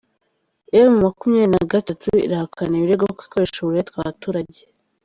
Emu makumyabiri nagatatu irahakana ibirego ko ikoresha uburetwa abaturage